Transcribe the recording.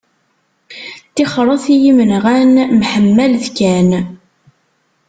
Tixret i yimenɣan, mḥemmalet kan.